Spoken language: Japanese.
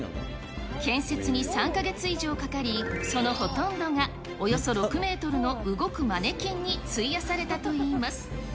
建設に３か月以上かかり、そのほとんどがおよそ６メートルの動くマネキンに費やされたといいます。